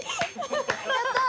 「やったー！」